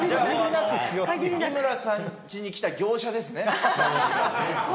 美村さんちに来た業者ですね草薙は。